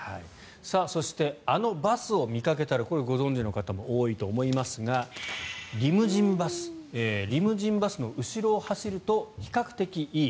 そしてあのバスを見かけたらご存じの方も多いと思いますがリムジンバスの後ろを走ると比較的いい。